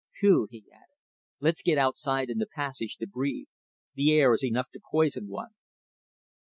Phew!" he added. "Let's get outside in the passage to breathe. This air is enough to poison one."